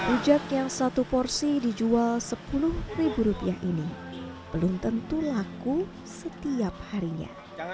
ujak yang satu porsi dijual sepuluh ribu rupiah ini belum tentu laku setiap harinya